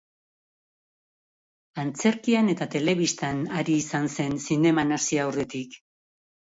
Antzerkian eta telebistan ari izan zen, zineman hasi aurretik.